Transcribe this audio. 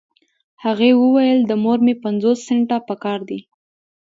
هغې وويل د مور مې پنځوس سنټه پهکار دي.